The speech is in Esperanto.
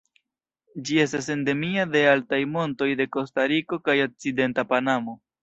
Ĝi estas endemia de altaj montoj de Kostariko kaj okcidenta Panamo.